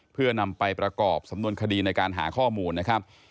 เพื่อนำไปประกอบสำนวนคดีในการหาข้อมูลนะครับ